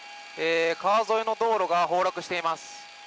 川沿いの道路が崩落しています。